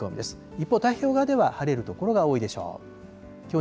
一方太平洋側では晴れる所が多いでしょう。